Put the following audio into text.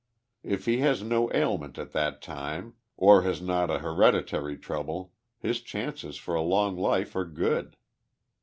If he has no ailment at that time, or has not an he reditary trouble, his chances for a long life are good.